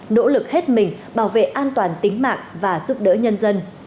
nỗ lực hết mình bảo vệ an toàn tính mạng và giúp đỡ nhân dân